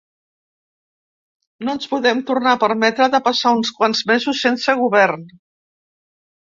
No ens podem tornar a permetre de passar uns quants mesos sense govern.